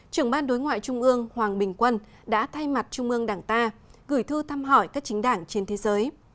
trưởng ban đối ngoại trung ương hoàng bình quân đã thay mặt trung ương đảng ta gửi thư thăm hỏi các chính đảng trên thế giới